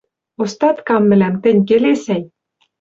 Остаткам мӹлӓм тӹнь келесӓй: